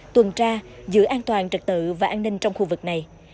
tuần tra giữ an toàn trực tự và an ninh trong khu vực này